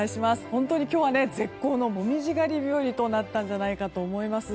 本当に今日は絶好の紅葉狩り日和となったんじゃないかと思います。